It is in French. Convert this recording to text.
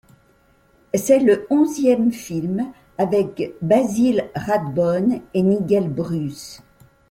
C'est le onzième film avec Basil Rathbone et Nigel Bruce.